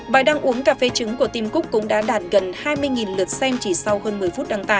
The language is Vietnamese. bài đăng uống cà phê trứng của tim cúc cũng đã đạt gần hai mươi lượt xem chỉ sau hơn một mươi phút đăng tải